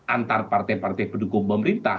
antar partai partai pendukung pemerintah